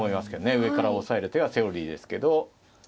上から押さえる手はセオリーですけど。